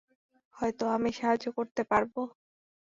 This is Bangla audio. হয়তো আমি সাহায্য করতে পারব।